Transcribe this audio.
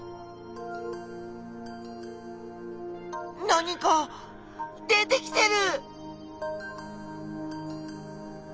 何か出てきてる！